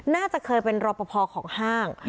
น่าจะเคยเป็นรอปภของห้าง